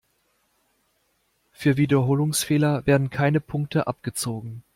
Für Wiederholungsfehler werden keine Punkte abgezogen.